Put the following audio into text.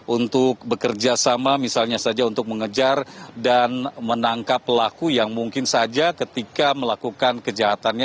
untuk bekerja sama misalnya saja untuk mengejar dan menangkap pelaku yang mungkin saja ketika melakukan kejahatannya